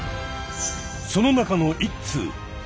その中の一通。